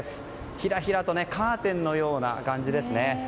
ひらひらとカーテンのような感じですよね。